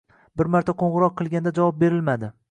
Bir marta qo‘ng‘iroq qilganda javob berilmadi.